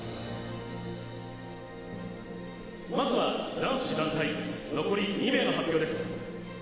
男子団体、残り２名が発表です。